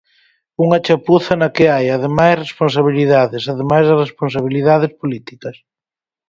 Unha chapuza na que hai, ademais, responsabilidades, ademais das responsabilidades políticas.